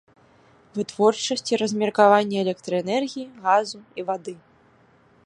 Вытворчасць і размеркаванне электраэнергіі, газу і вады.